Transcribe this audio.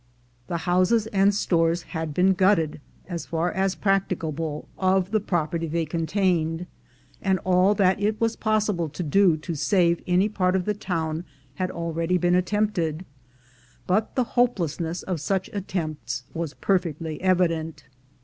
The houses and stores had been gutted as far as practic able of the property they contained, and all that it was possible to do to save any part of the town had already been attempted, but the hopelessness of such attempts was perfectly evident.